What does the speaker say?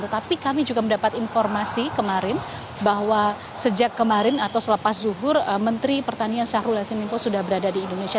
tetapi kami juga mendapat informasi kemarin bahwa sejak kemarin atau selepas zuhur menteri pertanian syahrul yassin limpo sudah berada di indonesia